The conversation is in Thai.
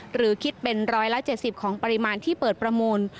หรือคิดเป็น๑๗๐ของปริมาณที่เปิดประมูล